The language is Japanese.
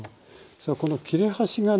さあこの切れ端がね。